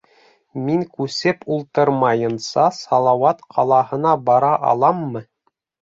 Мин күсеп ултырмайынса Салауат ҡалаһына бара аламмы?